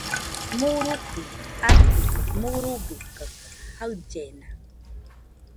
Murukɨ atɨ, murubɨ kaɨ jaɨllena